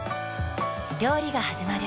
料理がはじまる。